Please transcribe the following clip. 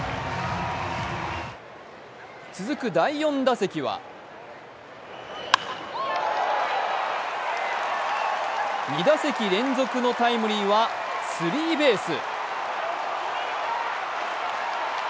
続く第４打席は２打席連続のタイムリーはスリーベース。